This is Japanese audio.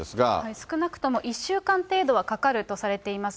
少なくとも１週間程度はかかるとされています。